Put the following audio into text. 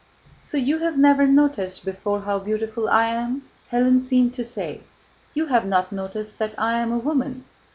"So you have never noticed before how beautiful I am?" Hélène seemed to say. "You had not noticed that I am a woman?